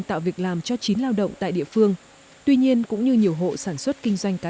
tạo việc làm cho chín lao động tại địa phương tuy nhiên cũng như nhiều hộ sản xuất kinh doanh cá